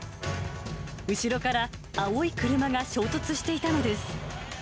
後ろから青い車が衝突していたのです。